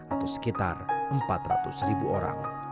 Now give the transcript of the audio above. atau sekitar empat ratus ribu orang